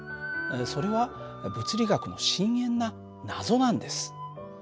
それは物理学の深遠な謎なんです。